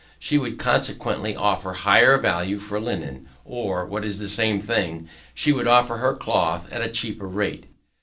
She would consequently offer a higher value for linen; or, what is the same thing, she would offer her cloth at a cheaper rate.